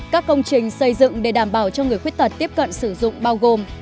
một một hai các công trình xây dựng để đảm bảo cho người khuyết tật tiếp cận sử dụng bao gồm